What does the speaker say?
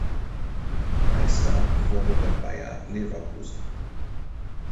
Meister wurde der Bayer Leverkusen.